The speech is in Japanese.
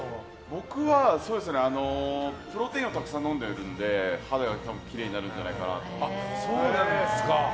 僕はプロテインをたくさん飲んでいるので肌が多分きれいになるんじゃないかと。